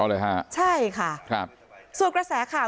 เอาเลยค่ะ